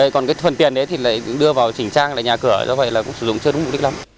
còn cái phần tiền thì lại đưa vào chỉnh trang nhà cửa do vậy là cũng sử dụng chưa đúng mục đích lắm